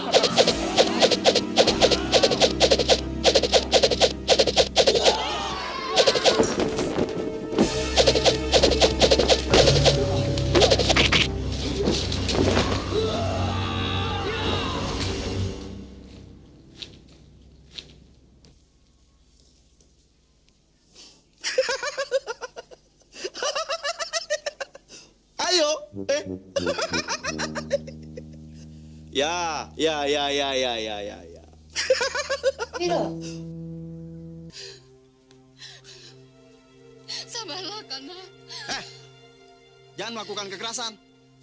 jangan melakukan kekerasan